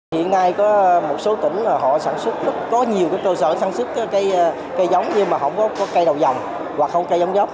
hiện nay có một số tỉnh họ sản xuất có nhiều cơ sở sản xuất cây giống nhưng mà không có cây đầu dòng hoặc không cây giống dốc